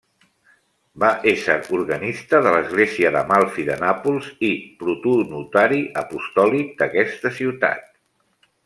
Va ésser organista de l'església d'Amalfi de Nàpols i protonotari apostòlic d'aquesta ciutat.